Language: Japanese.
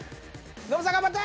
ノブさん頑張って！